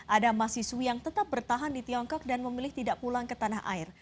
ada mahasiswi yang tetap bertahan di tiongkok dan memilih tidak pulang ke tanah air